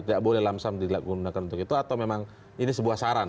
tidak boleh lamsam dilakukan untuk itu atau memang ini sebuah saran